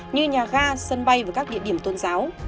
như nhà ga sân bay và các địa điểm tôn giáo